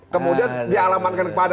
kemudian dialamatkan kepada anies baswedan